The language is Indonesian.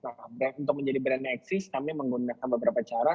nah untuk menjadi brandnya eksis kami menggunakan beberapa cara